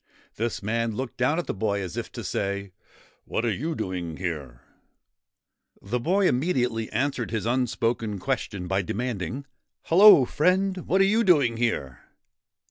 This man looked down at the boy as if to say, ' What are you doing here ?' The boy immediately answered his unspoken question by demanding, ' Hello, friend ! What are you doing there?'